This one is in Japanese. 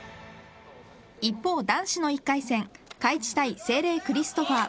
一方、男子の１回戦開智対聖隷クリストファー。